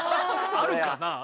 あるかなあ？